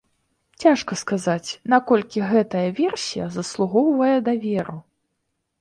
Цяжка сказаць, наколькі гэтая версія заслугоўвае даверу.